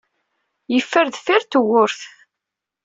Yeffer deffir tewwurt